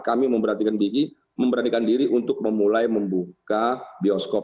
kami memberanikan diri untuk memulai membuka bioskop